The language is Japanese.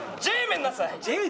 「Ｊめんなさい」？